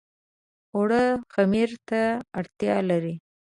اوړه خمیر ته اړتيا لري